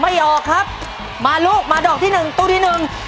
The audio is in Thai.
ไม่ออกครับมาลูกมาดอกที่๑ตู้ที่๑